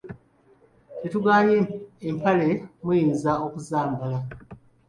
Tetugaanye empale muyinza okuzambala,